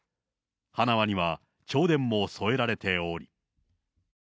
花輪には弔電も添えられており。